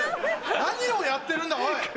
何をやってるんだおい！